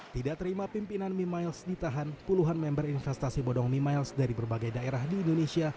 tidak terima pimpinan mimiles ditahan puluhan member investasi bodong mimiles dari berbagai daerah di indonesia